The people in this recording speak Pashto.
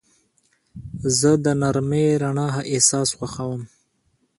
زه د نرمې رڼا احساس خوښوم.